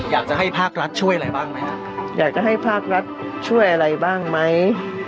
อยากจะให้ภาครัฐช่วยอะไรบ้างไหม